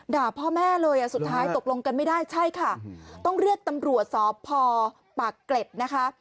ด่าพ่อแม่เลยสุดท้ายตกลงกันไม่ได้ใช่ค่ะต้องเรียกตำรวจสพปากเกร็ดนะคะ